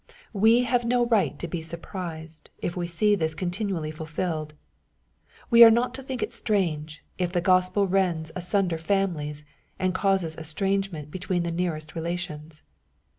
We have no right to be surprised, if we see this continually fulfilled. We are not to think it strange, if the Gospelrends asunder families, and causes estrange ment between the nearest relations.